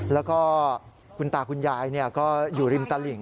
แล้วก็คุณตาคุณยายก็อยู่ริมตลิ่ง